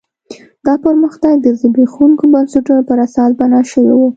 دا پرمختګ د زبېښونکو بنسټونو پر اساس بنا شوی و.